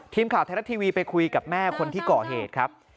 ทีมข่าวไทยรัฐทีวีไปคุยกับแม่คนที่ก่อเหตุครับ